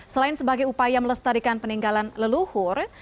selain sebagai upaya melestarikan peninggalan leluhur